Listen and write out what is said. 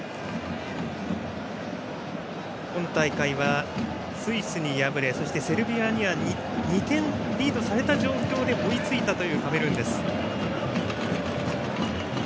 今大会はスイスに敗れセルビアには２点リードされた状況で追いついたカメルーンです。